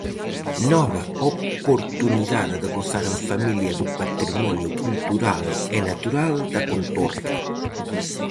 Nova oportunidade de gozar en familia do patrimonio cultural e natural da contorna.